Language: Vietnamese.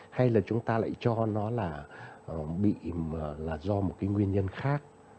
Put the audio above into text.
hay là chúng ta lại cho nó là bị là do một cái nguyên nhân khác